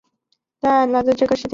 从前就有赌博的习惯